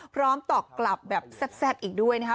พร้อมตอบกลับแบบแซ่บอีกด้วยนะคะ